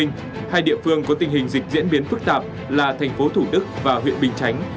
hai địa phương có tình hình dịch diễn biến phức tạp là tp thủ đức và huyện bình chánh